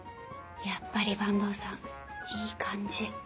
やっぱり坂東さんいい感じ。